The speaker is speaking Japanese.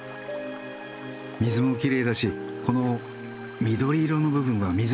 水もきれいだしこの緑色の部分は水草だよね？